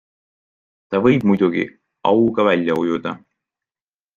Ta võib muidugi auga välja ujuda.